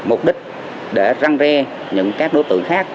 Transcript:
mục đích để răng re những các đối tượng khác